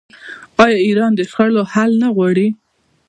آیا ایران د شخړو حل نه غواړي؟